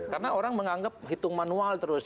karena orang menganggap hitung manual terus